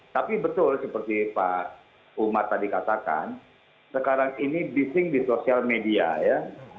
tapi betul seperti pak umat tadi katakan sekarang ini bising di sosial media ya